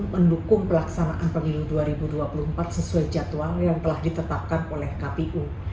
mendukung pelaksanaan pemilu dua ribu dua puluh empat sesuai jadwal yang telah ditetapkan oleh kpu